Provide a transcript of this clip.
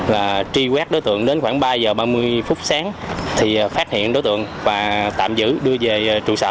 và truy quét đối tượng đến khoảng ba giờ ba mươi phút sáng thì phát hiện đối tượng và tạm giữ đưa về trụ sở